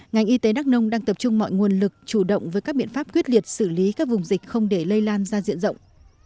ngành y tế đắk nông đang tập trung mọi nguồn lực chủ động với các biện pháp quyết liệt xử lý các vùng dịch không để lây lan ra diện rộng